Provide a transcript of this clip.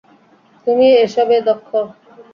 তুমি এসবে দক্ষ।